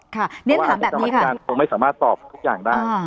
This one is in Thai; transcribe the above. เพราะว่าทางกรรมธิการคงไม่สามารถตอบทุกอย่างได้